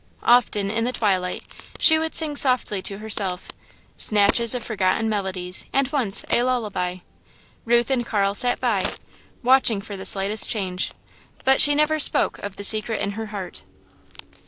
Often, in the twilight, she would sing softly to herself, snatches of forgotten melodies, and, once, a lullaby. Ruth and Carl sat by, watching for the slightest change, but she never spoke of the secret in her heart.